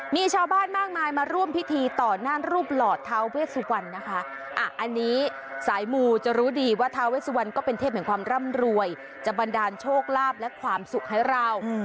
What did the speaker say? มีชาวบ้านมากมายมาร่วมพิธีต่อหน้ารูปหล่อท้าเวสวรรณนะคะอันนี้สายมูจะรู้ดีว่าท้าเวสวันก็เป็นเทพแห่งความร่ำรวยจะบันดาลโชคลาภและความสุขให้เรา